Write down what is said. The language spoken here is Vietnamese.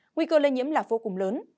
nguy cơ lây nhiễm là vô cùng lớn